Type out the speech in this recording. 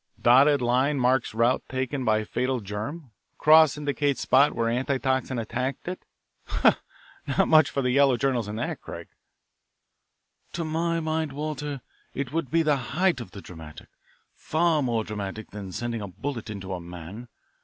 'Dotted line marks route taken by fatal germ; cross indicates spot where antitoxin attacked it' ha! ha! not much for the yellow journals in that, Craig." "To my mind, Walter, it would be the height of the dramatic far more dramatic than sending a bullet into a man.